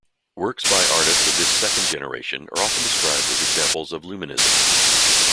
Works by artists of this second generation are often described as examples of Luminism.